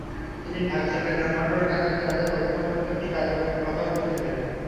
তিনি ঢাকা চট্টগ্রাম মহাসড়ক এলাকায় তাদের পরীক্ষামূলক একটি কার্যক্রমের কথাও তুলে ধরেন।